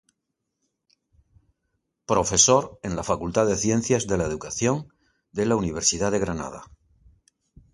Profesor en la Facultad de Ciencias de la Educación de la Universidad de Granada.